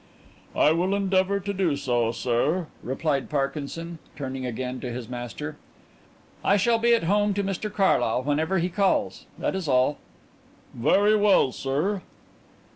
"I will endeavour to do so, sir," replied Parkinson, turning again to his master. "I shall be at home to Mr Carlyle whenever he calls. That is all." "Very well, sir."